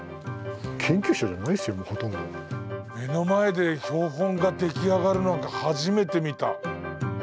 目の前で標本が出来上がるの初めて見た。